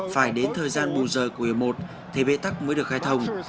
phải đến thời gian bù rời của yếu một thì bê tắc mới được khai thông